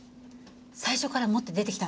最初から持って出てきたんですか？